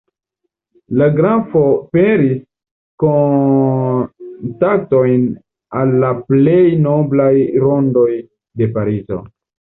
La grafo peris kontaktojn al la plej noblaj rondoj de Parizo.